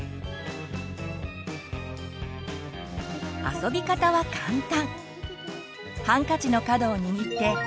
遊び方は簡単！